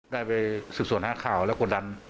ได้ไปสืบสวนหาข่าวและกดดัน